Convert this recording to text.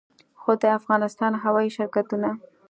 خو د افغانستان هوايي شرکتونه